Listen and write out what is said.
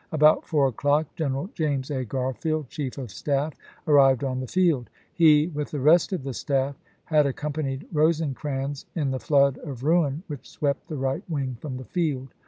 About four o'clock General James A. Garfield, chief of staff, arrived on the field. He, with the rest of the staff, had accom panied Eosecrans in the flood of ruin which swept the right wing from the field.